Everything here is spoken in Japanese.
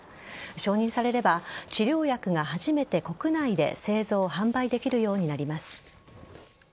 承認されれば、治療薬が初めて国内で製造・販売できるようになります。